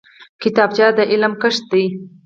کتابچه د علم کښت دی